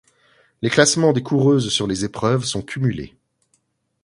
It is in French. Les classements des coureuses sur les épreuves sont cumulés.